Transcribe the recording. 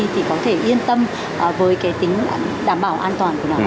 thì có thể yên tâm với cái tính đảm bảo an toàn của nó